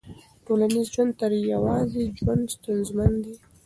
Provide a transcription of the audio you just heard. ټولنیز ژوند تر يوازي ژوند ستونزمن دی.